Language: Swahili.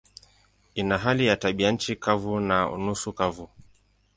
Ina hali ya tabianchi kavu na nusu kavu.